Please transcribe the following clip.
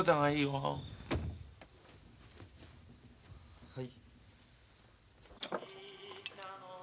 はい。